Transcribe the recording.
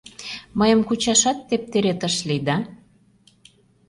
Мыйым кучашат тептерет ыш лий да...